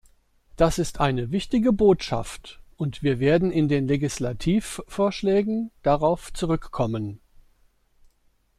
Das ist eine wichtige Botschaft, und wir werden in den Legislativvorschlägen darauf zurückkommen.